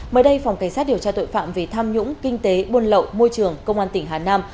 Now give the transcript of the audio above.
mới đây phòng cảnh sát điều tra tội phạm về tham nhũng kinh tế buôn lậu môi trường công an tỉnh hà nam